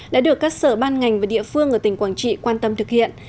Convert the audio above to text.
đã được các sở ban ngành và địa phương ở tỉnh quảng trị quan tâm thực hiện